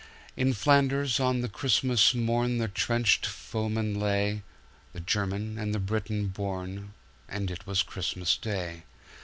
In Flanders on the Christmas mornThe trenched foemen lay, the German and the Briton born, And it was Christmas Day.